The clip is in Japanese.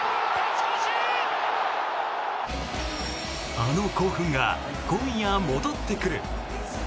あの興奮が今夜、戻ってくる！